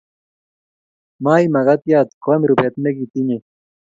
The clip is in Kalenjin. maim makatiat koim rupet nekitinyei